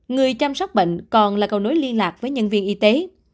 người chăm sóc bệnh còn là cầu nối liên lạc với nhân viên y tế